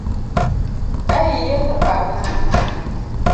Ka iyie to parna